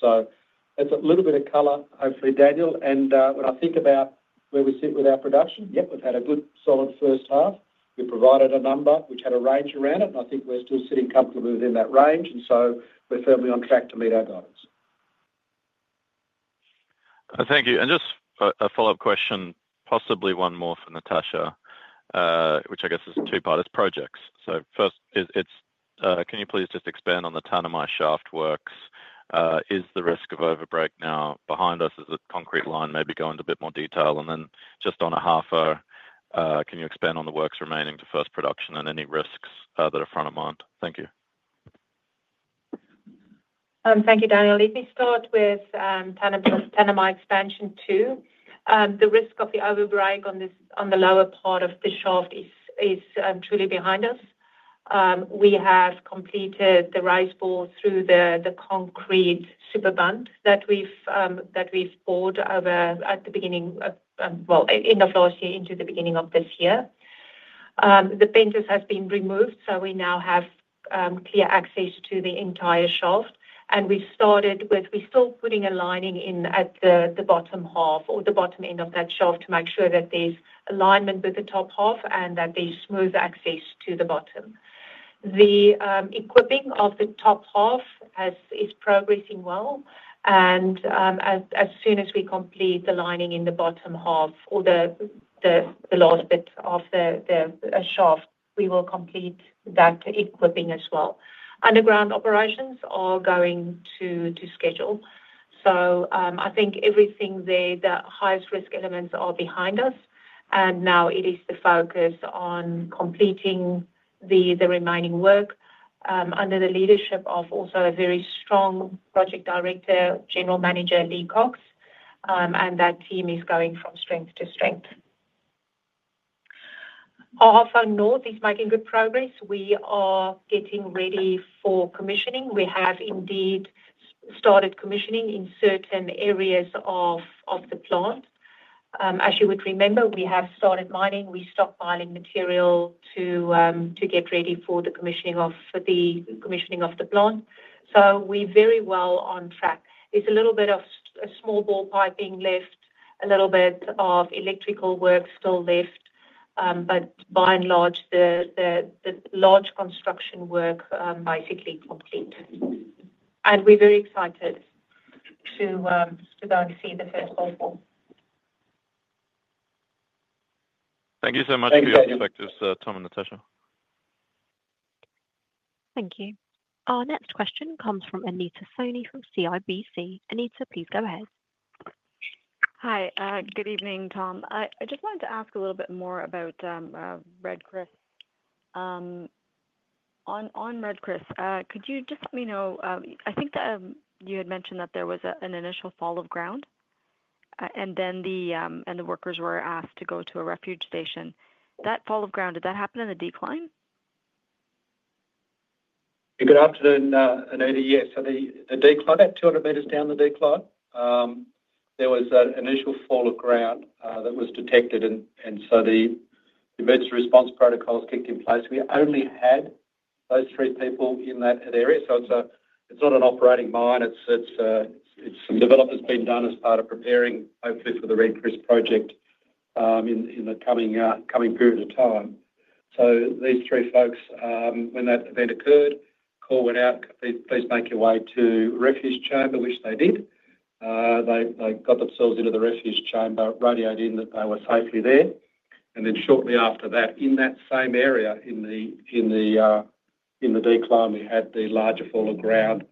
That's a little bit of color, hopefully, Daniel. When I think about where we sit with our production, yep, we've had a good solid first half. We provided a number which had a range around it. I think we're still sitting comfortably within that range. We're firmly on track to meet our goals.
Thank you. Just a follow-up question, possibly one more for Natascha. Which I guess is two-part. It's projects. First, can you please just expand on the Tanami shaft works? Is the risk of Overbreak now behind us? Is it concrete lined? Maybe go into a bit more detail. Then just on Halfway North, can you expand on the works remaining to first production and any risks that are front of mind? Thank you.
Thank you, Daniel. Let me start with Tanami Expansion 2. The risk of the Overbreak on the lower part of the shaft is truly behind us. We have completed the Raise bores through the concrete Super bund that we bought at the beginning of, well, in the first year into the beginning of this year. The painters have been removed, so we now have clear access to the entire shaft. We have started with, we're still putting a lining in at the bottom half or the bottom end of that shaft to make sure that there's alignment with the top half and that there's smooth access to the bottom. The equipping of the top half is progressing well. As soon as we complete the lining in the bottom half or the last bit of the shaft, we will complete that equipping as well. Underground operations are going to schedule. I think everything there, the highest risk elements are behind us. Now it is the focus on completing the remaining work under the leadership of also a very strong Project Director, General Manager Leigh Cox. That team is going from strength to strength. Our Halfway North is making good progress. We are getting ready for commissioning. We have indeed started commissioning in certain areas of the plant. As you would remember, we have started mining. We stopped mining material to get ready for the commissioning of the plant. We are very well on track. There's a little bit of small bore piping left, a little bit of electrical work still left. By and large, the large construction work is basically complete. We are very excited to go and see the first half of.
Thank you so much for your perspectives, Tom and Natascha.
Thank you. Our next question comes from Anita Soni from CIBC. Anita, please go ahead.
Hi. Good evening, Tom. I just wanted to ask a little bit more about Red Chris. On Red Chris, could you just let me know? I think you had mentioned that there was an initial Fall-of-ground. And then the workers were asked to go to a Refuge chamber. That Fall-of-ground, did that happen in the decline?
Good afternoon, Anita. Yes. The decline at 200 meters down the decline, there was an initial Fall-of-ground that was detected. The emergency response protocols kicked in place. We only had those three people in that area. It is not an operating mine. It is some development that has been done as part of preparing, hopefully, for the Red Chris project in the coming period of time. These three folks, when that event occurred, call went out, "Please make your way to Refuge chamber," which they did. They got themselves into the Refuge chamber, radioed in that they were safely there. Shortly after that, in that same area in the decline, we had the larger Fall-of-ground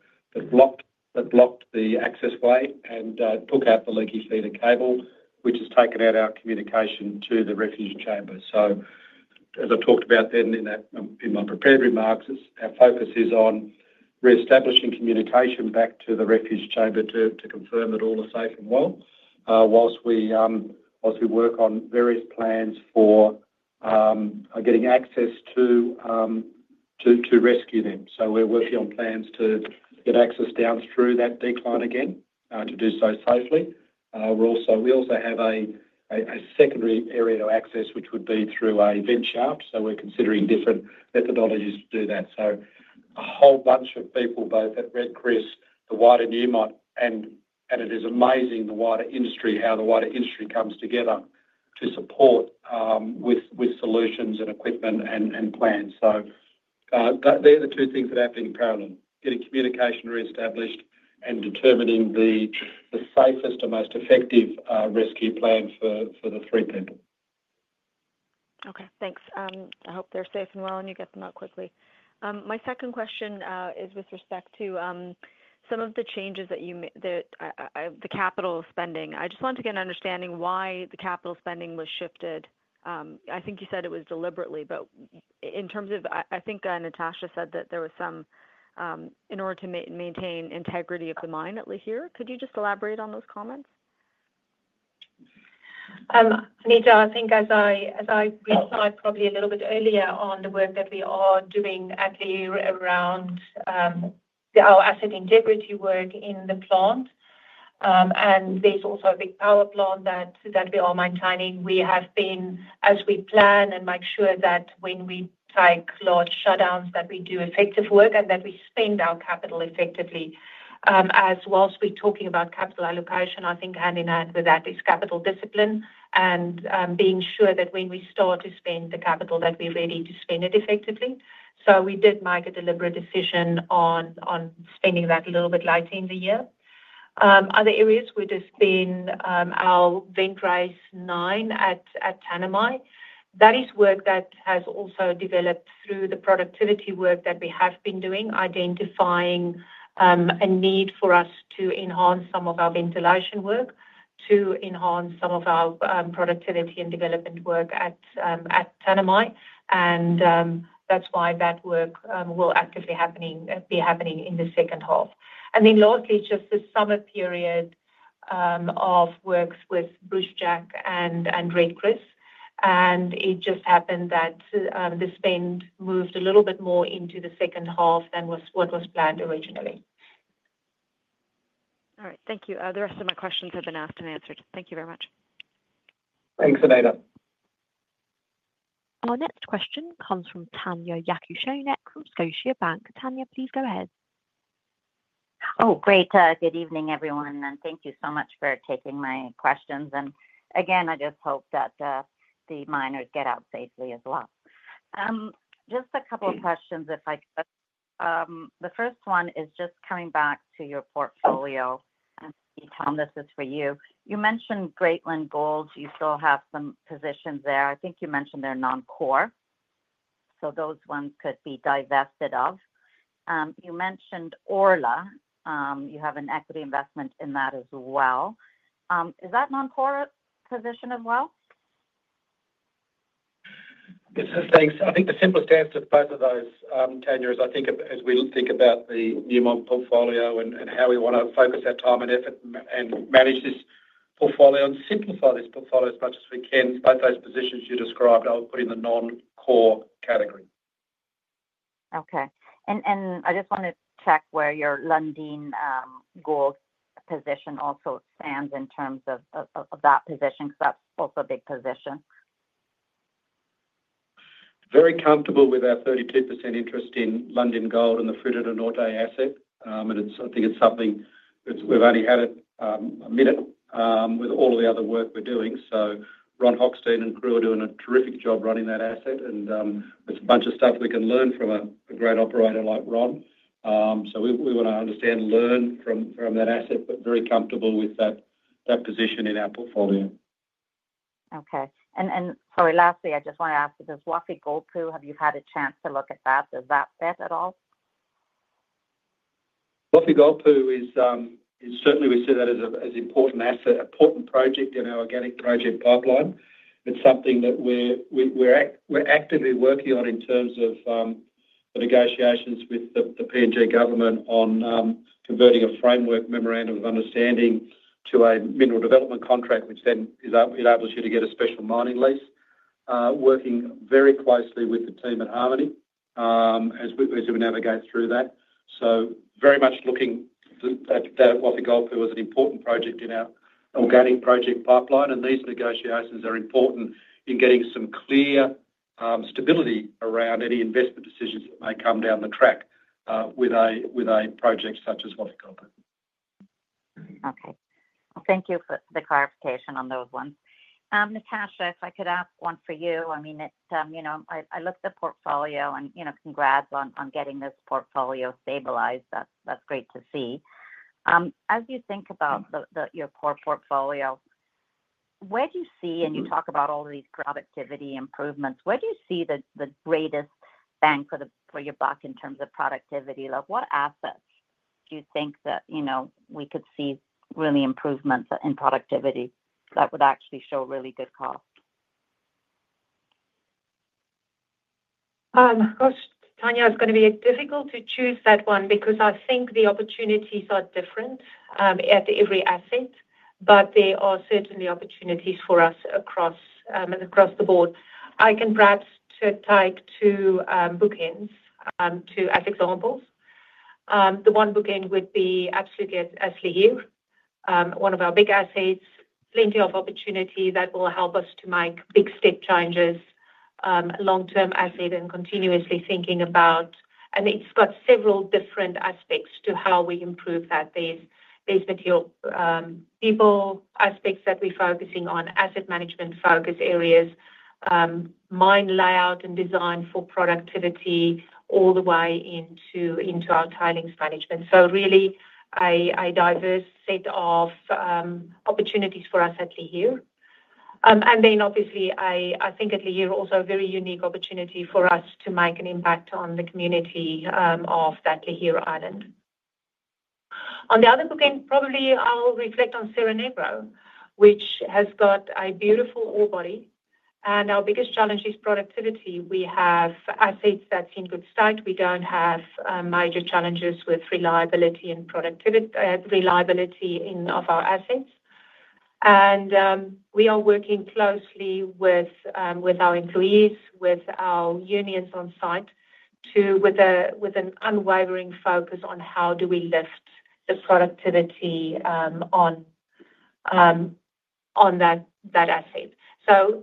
that blocked the access way and took out the Leaky feeder cable, which has taken out our communication to the Refuge chamber. As I talked about then in my prepared remarks, our focus is on reestablishing communication back to the Refuge chamber to confirm that all are safe and well whilst we work on various plans for getting access to rescue them. We are working on plans to get access down through that decline again to do so safely. We also have a secondary area of access, which would be through a vent shaft. We are considering different methodologies to do that. A whole bunch of people, both at Red Chris, the wider Newmont, and it is amazing how the wider industry comes together to support with solutions and equipment and plans. They are the two things that are happening in parallel: getting communication reestablished and determining the safest and most effective rescue plan for the three people.
Okay. Thanks. I hope they're safe and well and you get them out quickly. My second question is with respect to some of the changes that the capital spending. I just want to get an understanding why the capital spending was shifted. I think you said it was deliberately, but in terms of, I think Natascha said that there was some in order to maintain integrity of the mine at Lihir. Could you just elaborate on those comments?
Anita, I think as I went by probably a little bit earlier on the work that we are doing at Lihir around our asset integrity work in the plant. And there's also a big power plant that we are maintaining. We have been, as we plan and make sure that when we take large shutdowns, that we do effective work and that we spend our capital effectively. Whilst we're talking about capital allocation, I think hand in hand with that is capital discipline and being sure that when we start to spend the capital that we're ready to spend it effectively. We did make a deliberate decision on spending that a little bit later in the year. Other areas where there's been our vent rise nine at Tanami, that is work that has also developed through the productivity work that we have been doing, identifying a need for us to enhance some of our ventilation work to enhance some of our productivity and development work at Tanami. That's why that work will actively be happening in the second half. Lastly, just the summer period of works with Brucejack and Red Chris, and it just happened that the spend moved a little bit more into the second half than what was planned originally.
All right. Thank you. The rest of my questions have been asked and answered. Thank you very much.
Thanks, Anita.
Our next question comes from Tanya Jakusconek from Scotiabank. Tanya, please go ahead.
Oh, great. Good evening, everyone. Thank you so much for taking my questions. Again, I just hope that the miners get out safely as well. Just a couple of questions, if I could. The first one is just coming back to your portfolio. Tom, this is for you. You mentioned Greatland Gold. You still have some positions there. I think you mentioned they are non-core. Those ones could be divested of. You mentioned Orla. You have an equity investment in that as well. Is that a non-core position as well?
Yes, thanks. I think the simplest answer to both of those, Tanya, is I think as we think about the Newmont portfolio and how we want to focus our time and effort and manage this portfolio and simplify this portfolio as much as we can, both those positions you described, I would put in the non-core category.
Okay. I just want to check where your Lundin Gold position also stands in terms of that position because that's also a big position.
Very comfortable with our 32% interest in Lundin Gold and the Fruta del Norte asset. I think it's something we've only had a minute with all of the other work we're doing. Ron Hochstein and crew are doing a terrific job running that asset. There is a bunch of stuff we can learn from a great operator like Ron. We want to understand and learn from that asset, but very comfortable with that position in our portfolio.
Okay. Sorry, lastly, I just want to ask you, does Wafi-Golpu, have you had a chance to look at that? Does that fit at all?
Wafi-Golpu is certainly, we see that as an important project in our organic project pipeline. It's something that we're actively working on in terms of the negotiations with the Papua New Guinea government on converting a framework memorandum of understanding to a Mineral development contract, which then enables you to get a Special mining lease, working very closely with the team at Harmony as we navigate through that. Very much looking at Wafi-Golpu as an important project in our organic project pipeline. These negotiations are important in getting some clear stability around any investment decisions that may come down the track with a project such as Wafi-Golpu.
Okay. Thank you for the clarification on those ones. Natascha, if I could ask one for you, I mean, I looked at the portfolio, and congrats on getting this portfolio stabilized. That's great to see. As you think about your core portfolio, where do you see, and you talk about all of these productivity improvements, where do you see the greatest bang for your buck in terms of productivity? What assets do you think that we could see really improvements in productivity that would actually show really good costs?
Tanya, it's going to be difficult to choose that one because I think the opportunities are different at every asset, but there are certainly opportunities for us across the board. I can perhaps take two bookends as examples. The one bookend would be absolutely at Lihir, one of our big assets, plenty of opportunity that will help us to make big step changes. Long-term asset and continuously thinking about, and it's got several different aspects to how we improve that. There's material, people aspects that we're focusing on, asset management focus areas, mine layout and design for productivity all the way into our tailings management. So really, a diverse set of opportunities for us at Lihir. Obviously, I think at Lihir also a very unique opportunity for us to make an impact on the community of that Lihir Island. On the other bookend, probably I'll reflect on Cerro Negro, which has got a beautiful ore body, and our biggest challenge is productivity. We have assets that are in good state. We don't have major challenges with reliability of our assets, and we are working closely with our employees, with our unions on site, with an unwavering focus on how do we lift the productivity on that asset.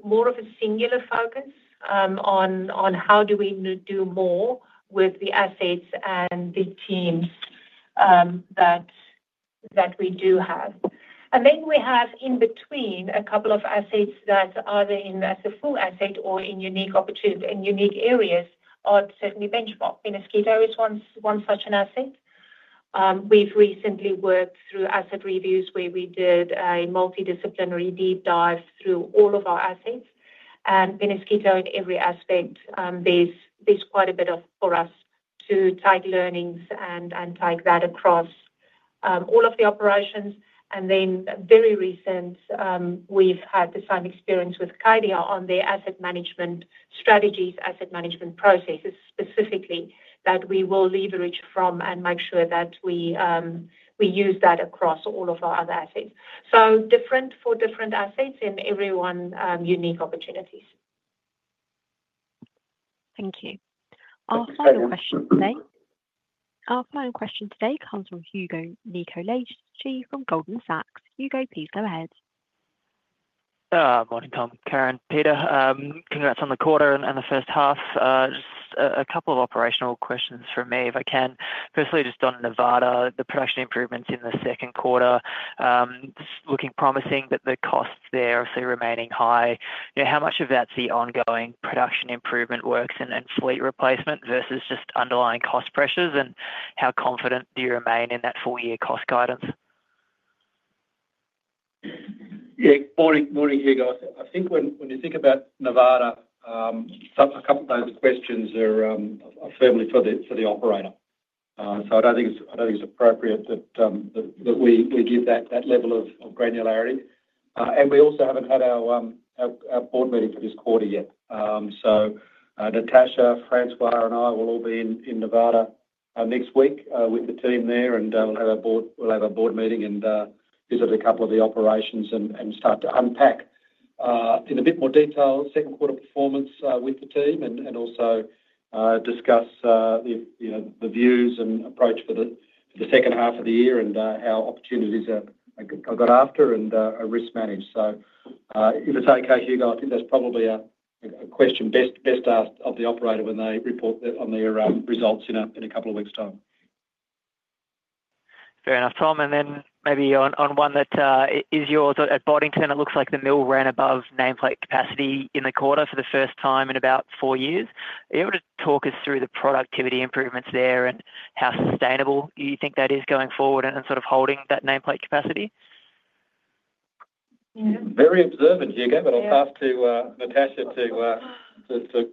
More of a singular focus on how do we do more with the assets and the teams that we do have. We have in between a couple of assets that are either in as a full asset or in unique areas are certainly benchmarked. Penasquito is one such an asset. We've recently worked through asset reviews where we did a multidisciplinary deep dive through all of our assets, and Penasquito, in every aspect, there's quite a bit for us to take learnings and take that across all of the operations. Very recent, we've had the same experience with Cadia on their asset management strategies, asset management processes specifically that we will leverage from and make sure that we use that across all of our other assets. Different for different assets and everyone unique opportunities.
Thank you.
Our final question today comes from Hugo Nicolaci from Goldman Sachs. Hugo, please go ahead.
Morning, Tom. Karyn, Peter. Congrats on the quarter and the first half. Just a couple of operational questions for me, if I can. Firstly, just on Nevada, the production improvements in the second quarter. Looking promising that the costs there are still remaining high. How much of that's the ongoing production improvement works and fleet replacement versus just underlying cost pressures? How confident do you remain in that four-year cost guidance?
Yeah. Morning, Hugo. I think when you think about Nevada, a couple of those questions are firmly for the operator. I do not think it is appropriate that we give that level of granularity. We also have not had our board meeting for this quarter yet. Natascha, Francois, and I will all be in Nevada next week with the team there. We will have a board meeting and visit a couple of the operations and start to unpack in a bit more detail second quarter performance with the team and also discuss the views and approach for the second half of the year and how opportunities are got after and risk managed. If it is okay, Hugo, I think that is probably a question best asked of the operator when they report on their results in a couple of weeks' time.
Fair enough, Tom. Maybe on one that is yours at Boddington, it looks like the mill ran above nameplate capacity in the quarter for the first time in about four years. Are you able to talk us through the productivity improvements there and how sustainable you think that is going forward and sort of holding that nameplate capacity?
Very observant, Hugo, but I'll pass to Natascha too.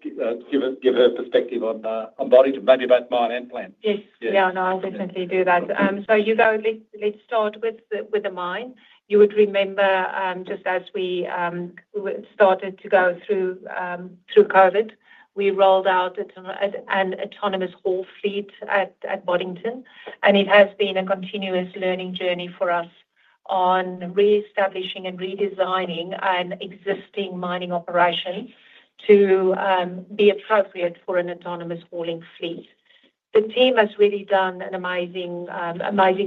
Give her perspective on Boddington, maybe both mine and plant.
Yes. Yeah, I'll definitely do that. So Hugo, let's start with the mine. You would remember just as we started to go through COVID, we rolled out an autonomous haul fleet at Boddington. It has been a continuous learning journey for us on re-establishing and redesigning an existing mining operation to be appropriate for an autonomous hauling fleet. The team has really done amazing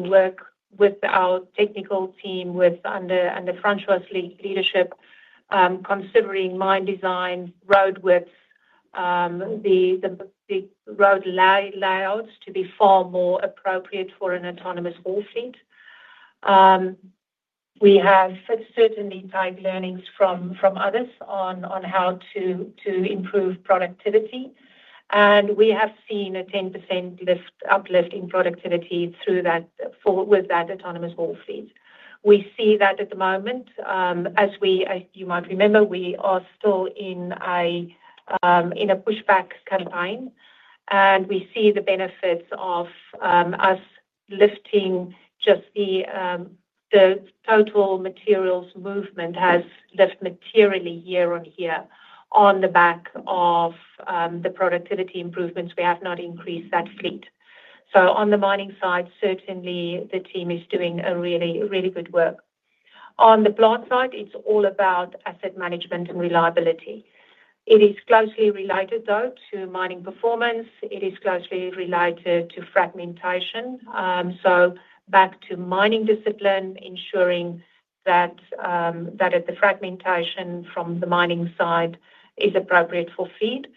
work with our technical team under Francois's leadership, considering mine design, road width, the road layouts to be far more appropriate for an autonomous haul fleet. We have certainly taken learnings from others on how to improve productivity. We have seen a 10% uplift in productivity with that autonomous haul fleet. We see that at the moment, as you might remember, we are still in a pushback campaign. We see the benefits of us lifting just the total materials movement has lifted materially year on year on the back of the productivity improvements. We have not increased that fleet. On the mining side, certainly the team is doing really good work. On the plant side, it's all about asset management and reliability. It is closely related, though, to mining performance. It is closely related to fragmentation. Back to mining discipline, ensuring that the fragmentation from the mining side is appropriate for feed,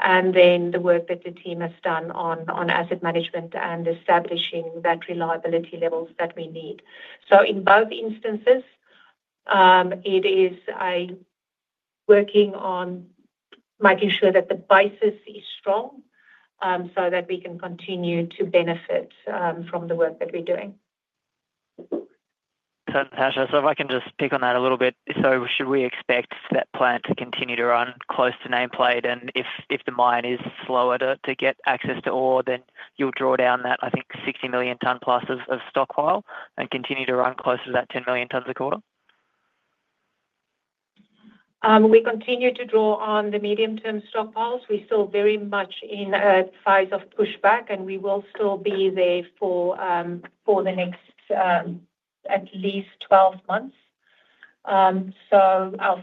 and then the work that the team has done on asset management and establishing that reliability levels that we need. In both instances, it is working on making sure that the basis is strong so that we can continue to benefit from the work that we're doing.
Natascha, so if I can just pick on that a little bit, should we expect that plant to continue to run close to nameplate? If the mine is slower to get access to ore, then you will draw down that, I think, 60 million ton plus of stockpile and continue to run closer to that 10 million tons a quarter?
We continue to draw on the medium-term stockpiles. We're still very much in a phase of pushback, and we will still be there for at least 12 months. Our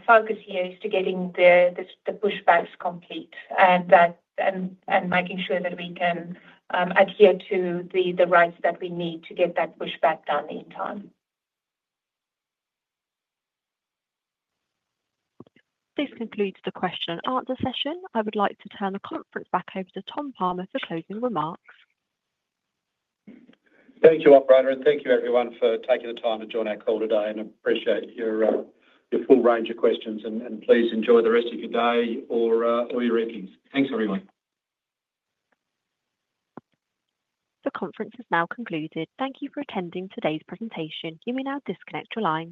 focus here is to getting the pushbacks complete and making sure that we can adhere to the rights that we need to get that pushback done in time.
This concludes the question and answer session. I would like to turn the conference back over to Tom Palmer for closing remarks.
Thank you, operator. Thank you, everyone, for taking the time to join our call today. I appreciate your full range of questions. Please enjoy the rest of your day or your evenings. Thanks, everyone.
The conference has now concluded. Thank you for attending today's presentation. You may now disconnect your line.